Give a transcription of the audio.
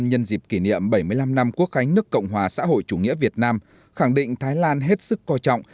nhân dịp kỷ niệm bảy mươi năm năm quốc khánh nước cộng hòa xã hội chủ nghĩa việt nam khẳng định thái lan hết sức coi trọng